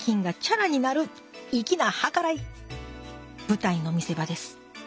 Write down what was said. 舞台の見せ場です